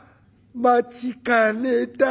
「待ちかねた」。